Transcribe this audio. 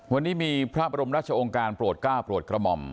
วันนี้มีพระบรมราชองค์การโปรดก้าวโปรดกระหม่อม